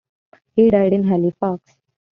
He died in Halifax.